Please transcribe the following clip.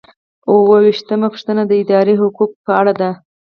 اووه ویشتمه پوښتنه د ادارې د حقوقو په اړه ده.